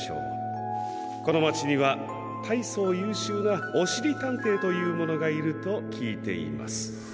このまちにはたいそうゆうしゅうなおしりたんていというものがいるときいています。